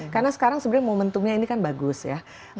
karena sekarang sebenarnya momentumnya ini kan bagus ya